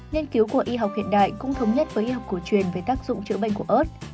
nghiên cứu của y học hiện đại cũng thống nhất với y học cổ truyền về tác dụng chữa bệnh của ớt